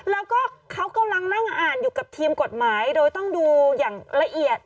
แล้วก็เขากำลังนั่งอ่านอยู่กับทีมกฎหมายโดยต้องดูอย่างละเอียด